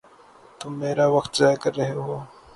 تم میرا وقت ضائع کر رہے ہو